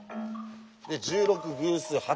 で１６偶数８。